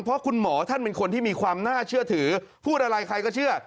พูดอะไรใครก็เชื่อ